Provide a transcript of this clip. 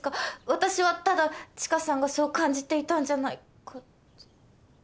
私はただ知花さんがそう感じていたんじゃないかって。